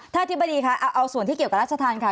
อธิบดีค่ะเอาส่วนที่เกี่ยวกับราชธรรมค่ะ